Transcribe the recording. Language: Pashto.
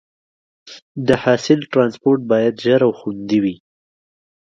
د حاصل ټرانسپورټ باید ژر او خوندي وي.